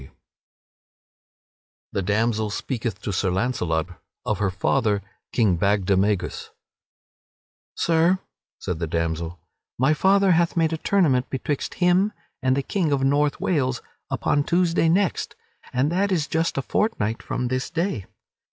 [Sidenote: The damsel speaketh to Sir Launcelot of her father, King Bagdemagus] "Sir," said the damsel, "my father hath made a tournament betwixt him and the King of North Wales upon Tuesday next, and that is just a fortnight from this day.